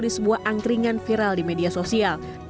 di sebuah angkringan viral di media sosial